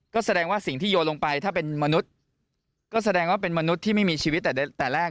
ก็แสดงว่าสิ่งที่โยนลงไปถ้าเป็นมนุษย์ก็แสดงว่าเป็นมนุษย์ที่ไม่มีชีวิตแต่แรก